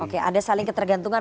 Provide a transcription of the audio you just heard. oke ada saling ketergantungan